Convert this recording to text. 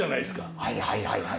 はいはいはいはい。